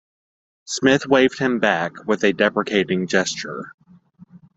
Smith waved him back with a deprecating gesture.